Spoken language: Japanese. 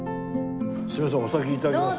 すいませんお先頂きます。